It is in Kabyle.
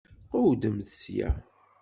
Qewwdemt sya!